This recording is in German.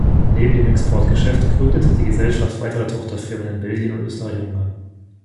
Neben dem Exportgeschäft gründete die Gesellschaft weitere Tochterfirmen in Belgien und Österreich-Ungarn.